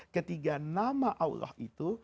ketika nama allah itu